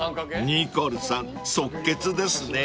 ［ニコルさん即決ですね］